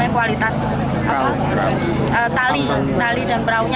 kualitas tali dan perahunya